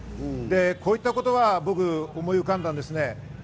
こういった言葉を僕を思い浮かんだんです。